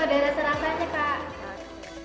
ada rasa rasanya kak